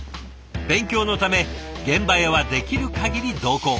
勉強のため現場へはできるかぎり同行。